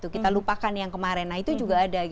kita lupakan yang kemarin nah itu juga ada